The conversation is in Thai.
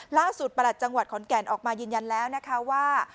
ล่าสุดประหลัดจังหวัดขอนแก่นออกมายืนยันแล้วว่า